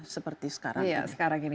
seperti sekarang ini